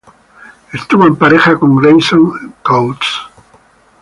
Estuvo en pareja con Grayson Coutts.